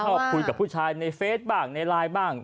ไปเห็นเข้าคุยกับผู้ชายในเฟสบ้างในไลน์บ้าง